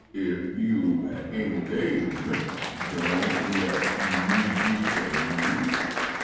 "If you've an engagement, don't let me detain you."